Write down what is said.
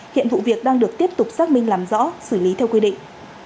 hiện vụ việc đang được tiếp tục xác minh làm rõ xử lý theo quy định